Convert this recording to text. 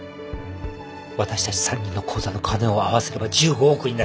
私たち３人の口座の金を合わせれば１５億になる。